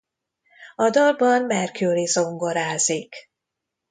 A dalban Mercury zongorázik.